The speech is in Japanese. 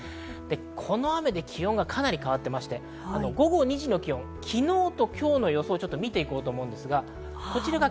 この雨で気温がかなり変わってまして、午後２時の気温、昨日と今日の予想を見ていきます。